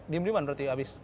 diem dieman berarti abis